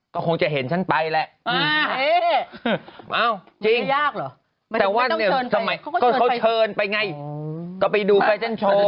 ก็คงจะเห็นฉันไปแหละไม่ยากหรอแต่ว่าเขาเชิญไปไงก็ไปดูไฟชั่นโชว์